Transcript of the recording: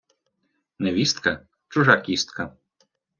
невістка – чужа кістка